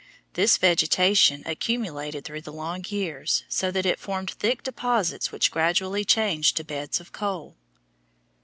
This vegetation accumulated through the long years, so that it formed thick deposits which gradually changed to beds of coal.